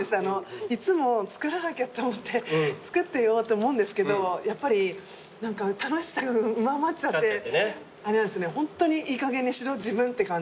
いつも作らなきゃって思って作ってようって思うんですけどやっぱり楽しさが上回っちゃってホントにいいかげんにしろ自分って感じです。